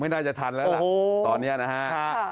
น่าจะทันแล้วล่ะตอนนี้นะฮะ